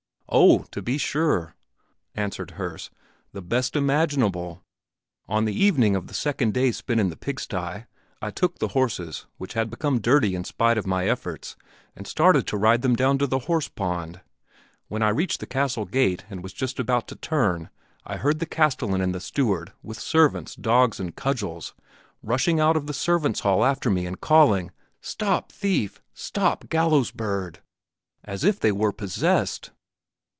"Oh, to be sure," answered Herse; "the best imaginable! On the evening of the second day spent in the pigsty, I took the horses, which had become dirty in spite of my efforts, and started to ride them down to the horse pond. When I reached the castle gate and was just about to turn, I heard the castellan and the steward, with servants, dogs and cudgels, rushing out of the servants' hall after me and calling, 'Stop thief! Stop gallows bird!' as if they were possessed.